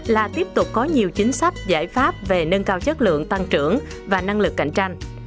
là tiếp tục có nhiều chính sách giải pháp về nâng cao chất lượng tăng trưởng và năng lực cạnh tranh